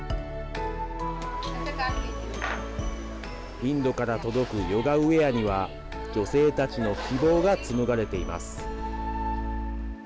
インドから届くヨガウエアには女性たちの希望が紡がれています。